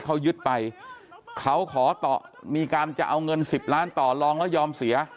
เขายึดไปเขาขอต่อมีการจะเอาเงินสิบล้านต่อลองแล้วยอมเสีย